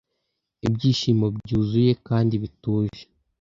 ibyishimo byuzuye kandi bituje